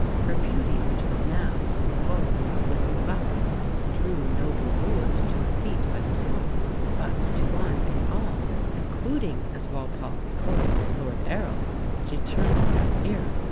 Her beauty which was now in full and exquisite flower drew noble wooers to her feet by the score; but to one and all including, as Walpole records, Lord Errol she turned a deaf ear.